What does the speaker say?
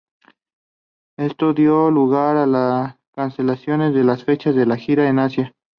Esto dio lugar a las cancelaciones de las fechas de la gira en Asia.